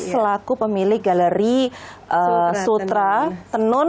selaku pemilik galeri sutra tenun